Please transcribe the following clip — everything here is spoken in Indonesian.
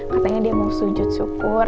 katanya dia mau sujud syukur